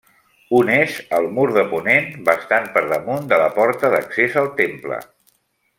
Un és al mur de ponent, bastant per damunt de la porta d'accés al temple.